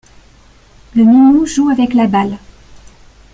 le minou joue avec la balle